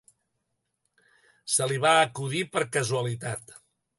Se li va acudir per casualitat.